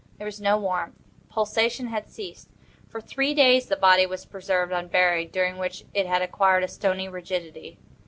There was no warmth. Pulsation had ceased. For three days the body was preserved unburied, during which it had acquired a stony rigidity.